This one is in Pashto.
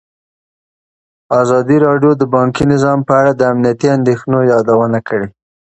ازادي راډیو د بانکي نظام په اړه د امنیتي اندېښنو یادونه کړې.